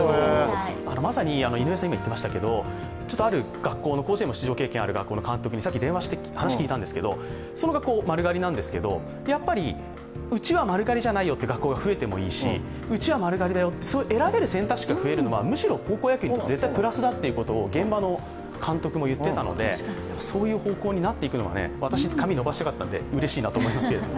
まさに井上さん今言っていましたけれどもある学校の、甲子園出場経験のある学校の監督にさっき電話して話聞いたんですけど、その学校丸刈りなんですけどやっぱりうちは丸刈りじゃないよという学校が増えてもいいし、うちは丸刈りだよって選べる選択肢が増えるのは、高校野球にとって絶対プラスだっていうことを、現場の監督も言っていたのでそういう方向になっていくのは私、髪を伸ばしたかったのでうれしいなと思いますけれども。